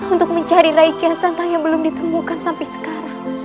untuk mencari raiketsan yang belum ditemukan sampai sekarang